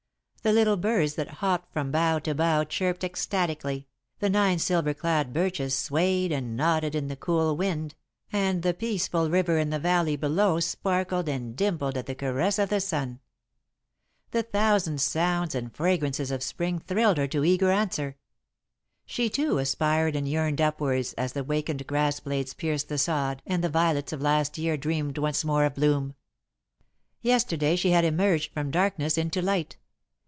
The little birds that hopped from bough to bough chirped ecstatically, the nine silver clad birches swayed and nodded in the cool wind, and the peaceful river in the valley below sparkled and dimpled at the caress of the sun. The thousand sounds and fragrances of Spring thrilled her to eager answer; she, too, aspired and yearned upward as the wakened grass blades pierced the sod and the violets of last year dreamed once more of bloom. Yesterday she had emerged from darkness into light.